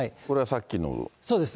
そうです。